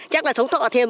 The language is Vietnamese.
chắc là sống thọ thêm